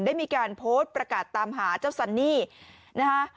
ได้มีการโพสต์ประกาศตามหาเจ้าซันนี่นะคะ